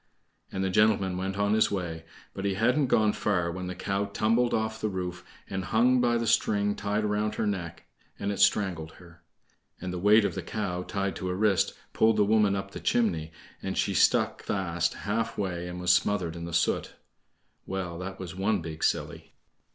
And the gentleman went on his way, but he hadn't gone far when the cow tumbled off the roof, and hung by the string tied round her neck, and it strangled her. And the weight of the cow tied to her wrist pulled the woman up the chimney, and she stuck fast half way and was smothered in the soot. Well, that was one big silly.